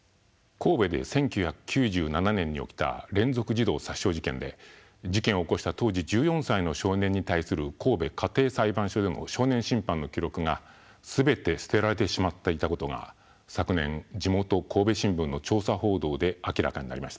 神戸で１９９７年に起きた連続児童殺傷事件で事件を起こした当時１４歳の少年に対する神戸家庭裁判所での少年審判の記録が全て捨てられてしまっていたことが昨年地元神戸新聞の調査報道で明らかになりました。